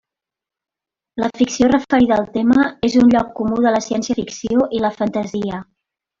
La ficció referida al tema és un lloc comú de la ciència-ficció i la fantasia.